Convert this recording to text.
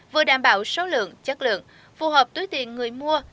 vừa đảm bảo số lượng chất lượng phù hợp túi tiền người mua